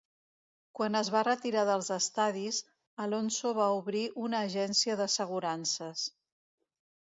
Quan es va retirar del estadis, Alonso va obrir una agència d'assegurances.